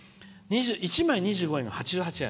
１枚２５円が、８８円。